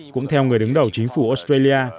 cũng theo người đứng đầu chính phủ australia